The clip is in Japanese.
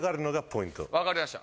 分かりました。